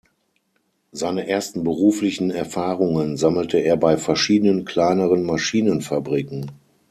Seine ersten beruflichen Erfahrungen sammelte er bei verschiedenen kleineren Maschinenfabriken.